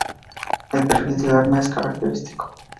El perfil del arma es característico.